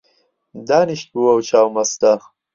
دانیشتبوو ئەو چاو مەستە